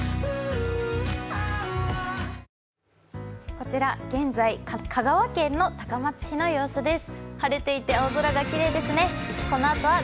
こちら、現在香川県の高松市の様子です。